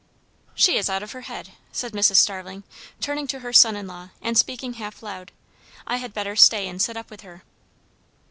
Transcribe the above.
"She is out of her head," said Mrs. Starling, turning to her son in law, and speaking half loud. "I had better stay and sit up with her."